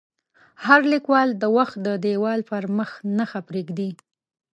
هر لیکوال د وخت د دیوال پر مخ نښه پرېږدي.